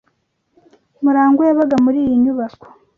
Murangwa yabaga muri iyi nyubako.